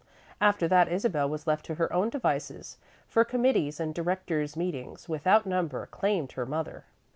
After that, Isabel was left to her own devices, for committees and directors' meetings without number claimed her mother.